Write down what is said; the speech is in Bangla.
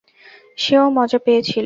সেও মজা পেয়েছিল।